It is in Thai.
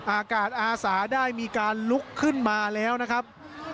อากาศอาสาได้มีการลุกขึ้นมาแล้วนะครับ